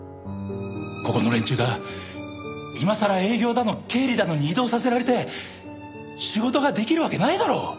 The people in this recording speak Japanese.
ここの連中が今さら営業だの経理だのに異動させられて仕事ができるわけないだろ。